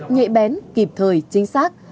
nhẹ bén kịp thời chính xác